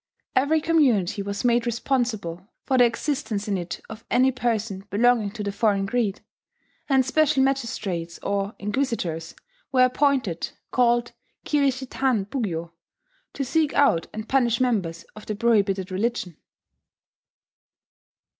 Every community was made responsible for the existence in it of any person belonging to the foreign creed; and special magistrates, or inquisitors, were appointed, called Kirishitan bugyo, to seek out and punish members of the prohibited religion.